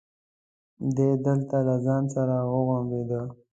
دی دلته له ځان سره غوړمبېده.